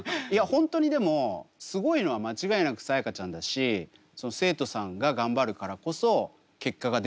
本当にでもすごいのは間違いなくさやかちゃんだしその生徒さんが頑張るからこそ結果が出るんですよね。